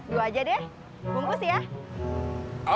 dua aja deh bungkus ya